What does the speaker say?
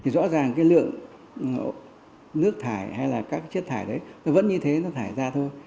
rõ ràng cái lượng nước thải hay là các chất thải đấy nó vẫn như thế nó thải ra thôi